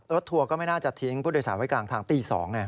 ทัวร์ก็ไม่น่าจะทิ้งผู้โดยสารไว้กลางทางตี๒ไง